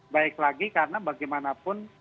baik lagi karena bagaimanapun